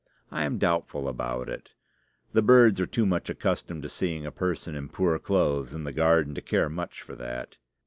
I am doubtful about it; the birds are too much accustomed to seeing a person in poor clothes in the garden to care much for that.